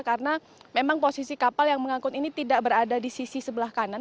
karena memang posisi kapal yang mengangkut ini tidak berada di sisi sebelah kanan